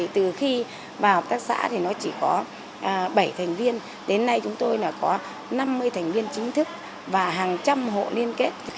từ khi vào hợp tác xã thì nó chỉ có bảy thành viên đến nay chúng tôi có năm mươi thành viên chính thức và hàng trăm hộ liên kết